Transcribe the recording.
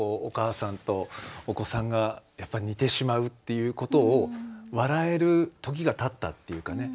お母さんとお子さんが似てしまうっていうことを笑える時がたったっていうかね。